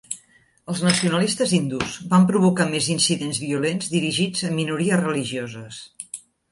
Els nacionalistes hindús van provocar més incidents violents dirigits a minories religioses.